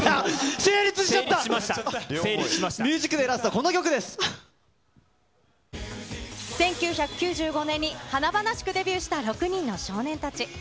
ＴＨＥＭＵＳＩＣＤＡＹ、１９９５年に華々しくデビューした６人の少年たち。